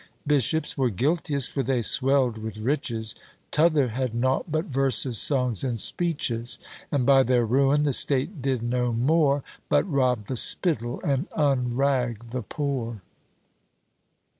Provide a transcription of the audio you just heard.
Bishops were guiltiest, for they swell'd with riches; T'other had nought but verses, songs and speeches, And by their ruin, the state did no more But rob the spittle, and unrag the poor.